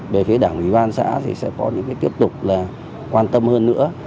về phía đảng ubnd xã sẽ có những tiếp tục quan tâm hơn nữa